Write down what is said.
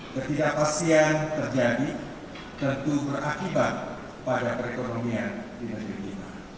ketidakpastian terjadi tentu berakibat pada perekonomian di dunia